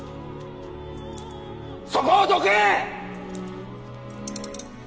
そこをどけ！